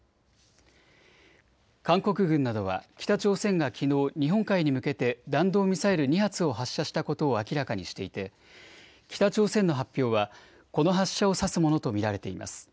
韓国軍などは北朝鮮がきのう、日本海に向けて弾道ミサイル２発を発射したことを明らかにしていて北朝鮮の発表はこの発射を指すものと見られています。